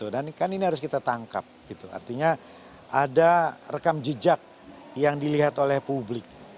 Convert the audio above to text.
dan kan ini harus kita tangkap artinya ada rekam jejak yang dilihat oleh publik